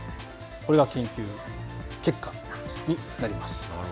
これが研究結果になります。